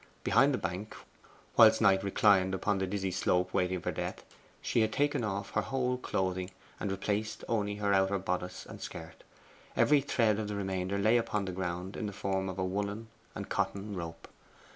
Behind the bank, whilst Knight reclined upon the dizzy slope waiting for death, she had taken off her whole clothing, and replaced only her outer bodice and skirt. Every thread of the remainder lay upon the ground in the form of a woollen and cotton rope.